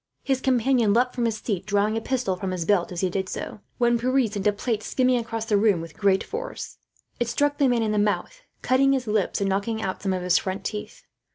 His companion leapt from his seat, drawing a pistol from his belt as he did so; when Pierre sent a plate skimming across the room with great force. It struck the man in the mouth, cutting his lips and knocking out some of his front teeth.